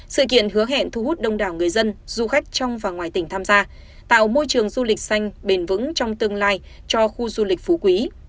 sự kiện hứa hẹn thu hút đông đảo người dân du khách trong và ngoài tỉnh tham gia tạo môi trường du lịch xanh bền vững trong tương lai cho khu du lịch phú quý